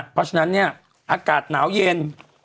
เพราะฉะนั้นอากาศหนาเย็น